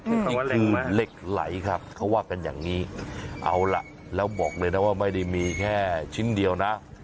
จริงคือเหล็กไหลครับเขาว่ากันอย่างนี้เอาล่ะแล้วบอกเลยนะว่าไม่ได้มีแค่ชิ้นเดียวนะ